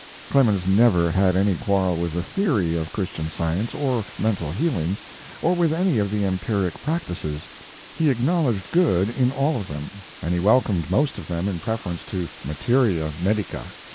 Clemens never had any quarrel with the theory of Christian Science or mental healing, or with any of the empiric practices. He acknowledged good in all of them, and he welcomed most of them in preference to materia medica.